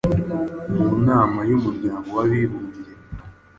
Mu nama y’Umuryango w’Abibumbye,